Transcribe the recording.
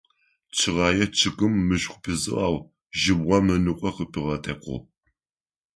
Чъыгэе чъыгым мышкӏу пизыгъ, ау жьыбгъэм ыныкъо къыпигъэтэкъугъ.